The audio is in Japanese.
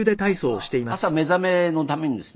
あとは朝目覚めのためにですね